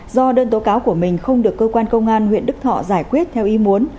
do đơn tố cáo của mình không được cơ quan công an huyện đức thọ giải quyết theo ý muốn